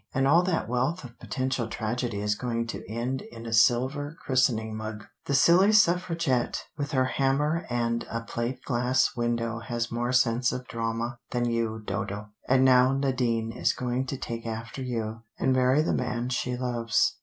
And all that wealth of potential tragedy is going to end in a silver christening mug. The silly suffragette with her hammer and a plate glass window has more sense of drama than you, Dodo. And now Nadine is going to take after you, and marry the man she loves.